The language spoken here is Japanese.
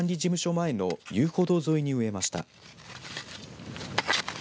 前の遊歩道沿いに植えました。